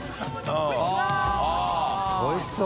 △繊おいしそう。